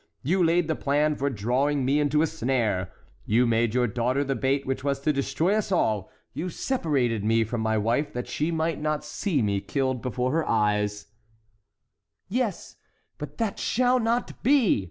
You laid the plan for drawing me into a snare. You made your daughter the bait which was to destroy us all. You separated me from my wife that she might not see me killed before her eyes"— "Yes, but that shall not be!"